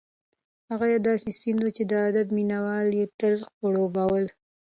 هغه یو داسې سیند و چې د ادب مینه وال یې تل خړوبول.